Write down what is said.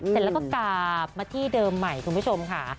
เสร็จแล้วก็กลับมาที่เดิมใหม่คุณผู้ชมค่ะ